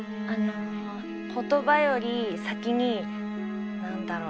言葉より先に何だろう